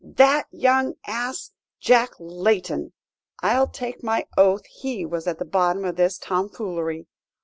"That young ass, Jack Layton! I'll take my oath he was at the bottom of this tomfoolery.